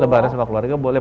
lebaran sama keluarga boleh